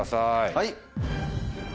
はい！